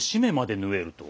縫えるとは。